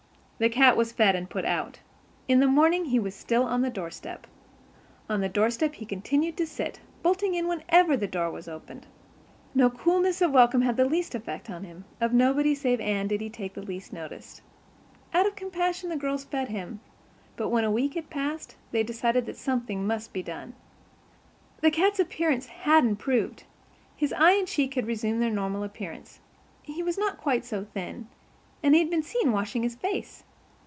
The cat was fed and put out. In the morning he was still on the doorstep. On the doorstep he continued to sit, bolting in whenever the door was opened. No coolness of welcome had the least effect on him; of nobody save Anne did he take the least notice. Out of compassion the girls fed him; but when a week had passed they decided that something must be done. The cat's appearance had improved. His eye and cheek had resumed their normal appearance; he was not quite so thin; and he had been seen washing his face.